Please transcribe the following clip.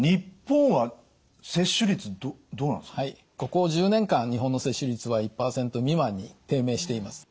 ここ１０年間日本の接種率は１％未満に低迷しています。